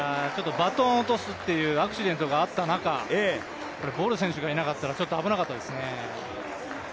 バトンを落とすというアクシデントがあった中、ボル選手がいなかったら、危なかったですね。